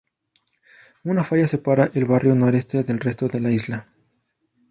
Una falla separa el barrio noreste del resto de la isla.